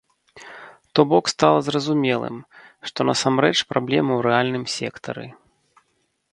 То бок стала зразумелым, што насамрэч праблема ў рэальным сектары.